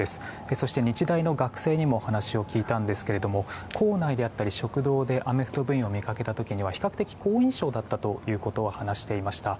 そして日大の学生にも話を聞いたんですが構内であったり、食堂でアメフト部員を見かけた時は比較的好印象だったということを話していました。